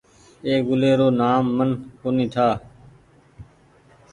اي گلي رو نآم من ڪونيٚ ٺآ۔